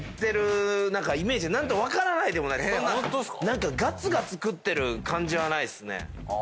何かがつがつ食ってる感じはないですね。